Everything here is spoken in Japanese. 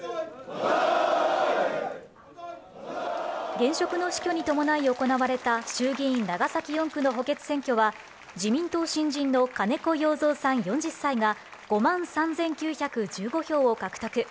現職の死去に伴い行われた衆議院長崎４区の補欠選挙は、自民党新人の金子容三さん、４０歳が５万３９１５票を獲得。